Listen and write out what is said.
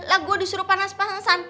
lah gue disuruh panas pasang san